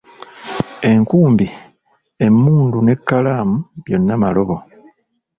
Enkumbi, emmundu n’ekkalaamu byonna malobo.